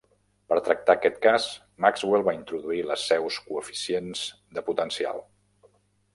Per tractar aquest cas Maxwell va introduir les seus coeficients de potencial.